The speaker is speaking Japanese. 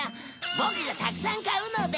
ボクがたくさん買うので。